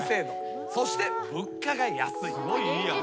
すごいいいやん。